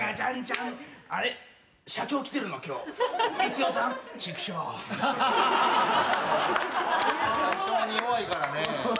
すごい！社長に弱いからね。